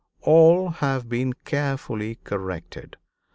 All have been carefully corrected.